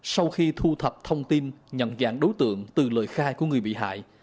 sau khi thu thập thông tin nhận dạng đối tượng từ lời khai của người bị hại